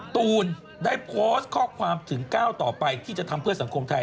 ตูนได้โพสต์ข้อความถึงก้าวต่อไปที่จะทำเพื่อสังคมไทย